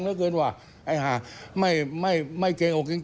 ที่มันก็มีเรื่องที่ดิน